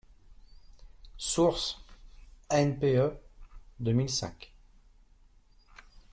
Source : ANPE, deux mille cinq.